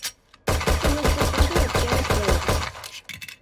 He was the brother of Gareth Williams.